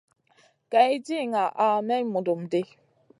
Kay di ŋaha may mudum ɗi.